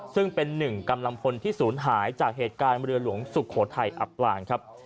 ซึ่งเป็นหนึ่งกำลังพลที่ศูนย์หายจากเหตุการณ์เรือหลวงสุโขทัยอับปลางครับ